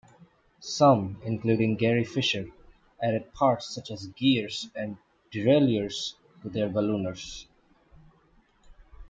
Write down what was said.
Some, including Gary Fisher, added parts such as gears and derailleurs to their ballooners.